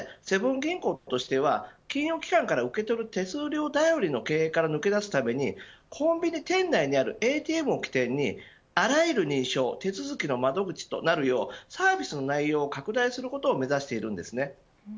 そこでセブン銀行としては金融機関から受け取る手数料頼りの形から抜け出すためにコンビニ店内にあるＡＴＭを起点にあらゆる認証手続きの窓口となるようサービスの内容を拡大することを目指しています。